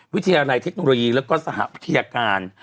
วิทยาลัยเทคโนโลยีแล้วก็สหวิทยาการ